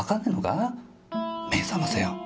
目覚ませよ。